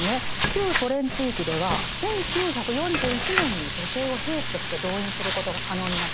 旧ソ連地域では１９４１年に女性を兵士として動員することが可能になったんです。